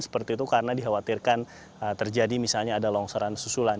seperti itu karena dikhawatirkan terjadi misalnya ada longsoran susulan